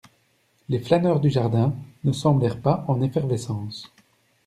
Les flâneurs du jardin ne semblèrent pas en effervescence.